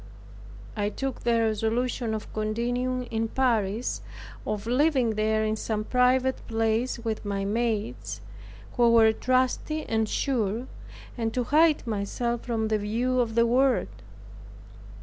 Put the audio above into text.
I took the resolution of continuing in Paris, of living there in some private place with my maids, who were trusty and sure, and to hide myself from the view of the world.